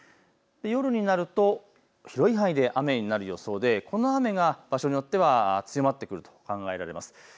夜になると広い範囲で雨になる予想でこの雨が場所によっては強まってくると考えられます。